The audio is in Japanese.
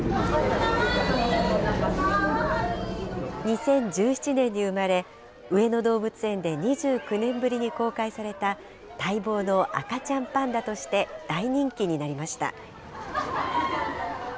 ２０１７年に生まれ、上野動物園で２９年ぶりに公開された、待望の赤ちゃんパンダとして大人気になりました。